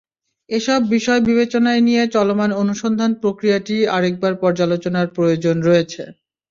এসব বিষয় বিবেচনায় নিয়ে চলমান অনুসন্ধান প্রক্রিয়াটি আরেকবার পর্যালোচনার প্রয়োজন রয়েছে।